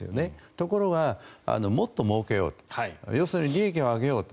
ところが、もっともうけようと要するに利益を上げようと。